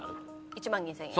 １万２，０００円。